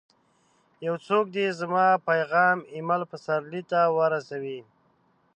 یو څوک دي زما پیغام اېمل پسرلي ته ورسوي!